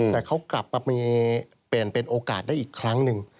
แต่เขากลับมามีเปลี่ยนเป็นโอกาสได้อีกครั้งหนึ่ง